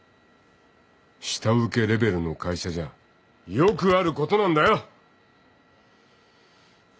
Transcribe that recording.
下請けレベルの会社じゃよくあることなんだよ。